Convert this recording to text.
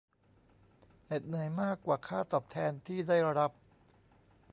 เหน็ดเหนื่อยมากกว่าค่าตอบแทนที่ได้รับ